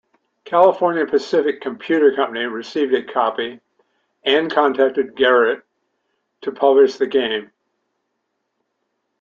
California Pacific Computer Company received a copy, and contacted Garriott to publish the game.